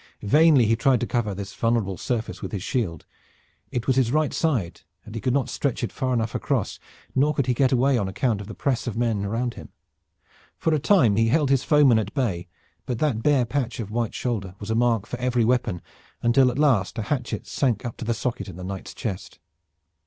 Vainly he tried to cover this vulnerable surface with his shield. It was his right side, and he could not stretch it far enough across, nor could he get away on account of the press of men around him. For a time he held his foemen at bay, but that bare patch of white shoulder was a mark for every weapon, until at last a hatchet sank up to the socket in the knight's chest.